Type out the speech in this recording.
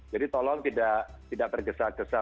jadi tolong tidak bergesa gesa